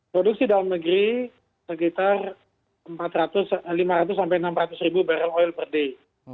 produksi dalam negeri sekitar lima ratus sampai enam ratus ribu barrel oil per day